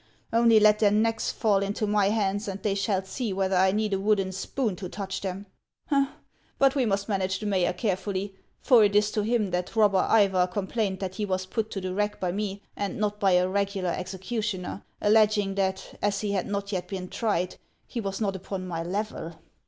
" Only let their necks fall into my hands, and they shall see whether I need a wooden spoon to touch them. But we must manage the mayor carefully, for it is to him that robber Ivar complained that he was put to the rack by me, and not by a regular executioner, alleging that, as he »/O o O had not yet been tried, he was not upon my level.